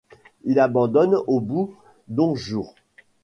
Il abandonne au bout d'onze jours.